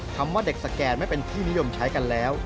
ว่าเด็กสแกนไม่เป็นที่นิยมใช้กันแล้ว